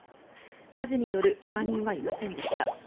火事による怪我人はいませんでした。